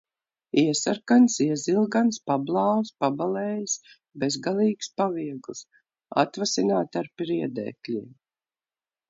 Iesarkans, iezilgans, pablāvs, pabalējis, bezgalīgs, paviegls. Atvasināti ar priedēkļiem.